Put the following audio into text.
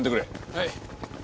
はい。